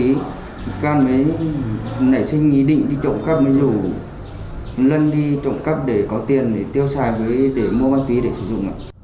vị can mới nảy sinh ý định đi trộm cắp mới rủ